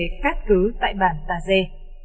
để cát cứ tại bản tà dê